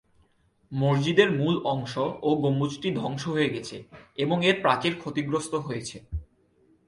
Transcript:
মসজিদের মূল অংশ ও গম্বুজটি ধ্বংস হয়ে গেছে এবং এর প্রাচীর ক্ষতিগ্রস্ত হয়েছে।